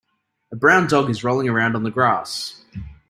a brown dog is rolling around on the grass.